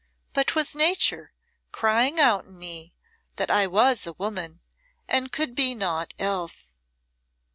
But 'twas Nature crying out in me that I was a woman and could be naught else."